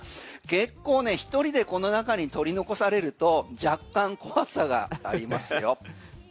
結構ね、１人でこの中に取り残されると若干怖さがありますよ。